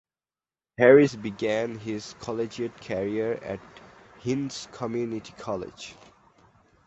Harris began his collegiate career at Hinds Community College.